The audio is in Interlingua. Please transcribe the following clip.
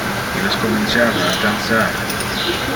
Illes comenciava a dansar.